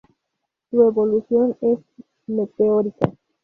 Su evolución es meteórica.